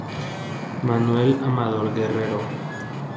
Manuel Amador Guerrero.